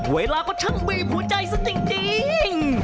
เวลาก็ช่างบีบหัวใจซะจริง